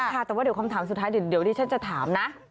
ค่ะแต่ว่าเดี๋ยวคำถามสุดท้ายเดี๋ยวดิฉันจะถามนะ